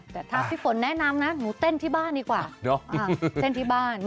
ตาดมี่ฟนแนะนำนะหนูเต้นที่บ้านดีกว่า